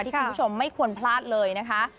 คุณผู้ชมไม่ควรพลาดเลยนะคะ